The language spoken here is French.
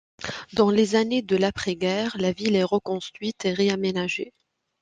Dans les années de l'après-guerre, la ville est reconstruite et réaménagée.